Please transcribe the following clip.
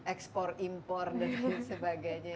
export import dan sebagainya